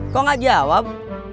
kok enggak jawab